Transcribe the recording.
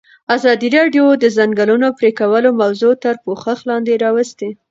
ازادي راډیو د د ځنګلونو پرېکول موضوع تر پوښښ لاندې راوستې.